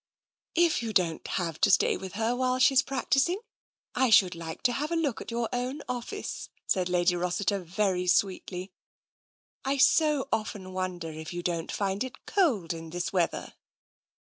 "If you don't have to stay with her while she's practising, I should like to have a look at your own office," said Lady Rossiter very sweetly. " I so often wonder if you don't find it cold in this weather."